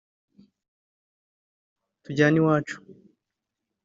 ‘Tujyane iwacu’